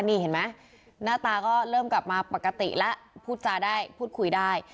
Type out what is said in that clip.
นี่เห็นไหมหน้าตาก็เริ่มกลับมาปกติแล้วพูดจาได้พูดคุยได้